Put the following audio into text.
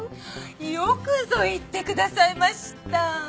よくぞ言ってくださいました！